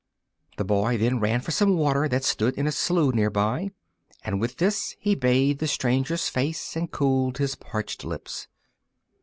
The boy then ran for some water that stood in a slough near by, and with this he bathed the stranger's face and cooled his parched lips.